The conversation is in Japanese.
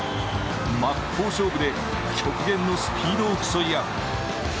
真っ向勝負で極限のスピードを競い合う。